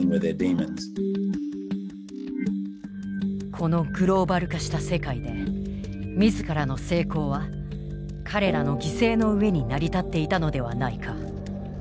このグローバル化した世界で自らの成功は彼らの犠牲の上に成り立っていたのではないか。